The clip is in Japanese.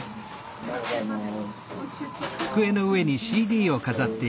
おはようございます。